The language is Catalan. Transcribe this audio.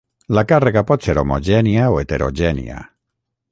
La càrrega pot ser homogènia o heterogènia.